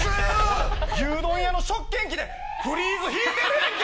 牛丼屋の食券機でフリーズ引いてるやんけ！